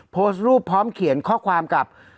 โพสต์รูปพร้อมเขียนข้อความกับ